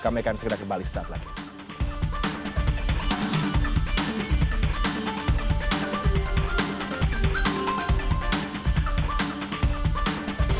kami akan segera kembali sesaat lagi